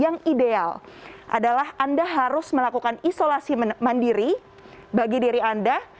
yang ideal adalah anda harus melakukan isolasi mandiri bagi diri anda